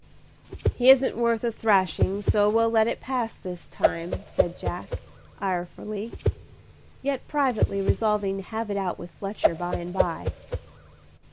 "He isn't worth a thrashing, so we'll let it pass this time," said Jack, irefully, yet privately resolving to have it out with Fletcher by and by.